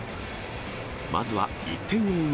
まずは１点を追う